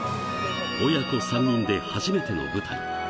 親子３人で初めての舞台。